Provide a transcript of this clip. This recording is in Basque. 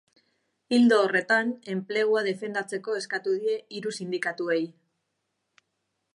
Ildo horretan, enplegua defendatzeko eskatu die hiru sindikatuei.